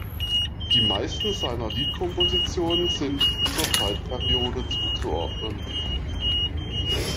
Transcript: Die meisten seiner Liedkompositionen sind dieser Zeitperiode zuzuordnen.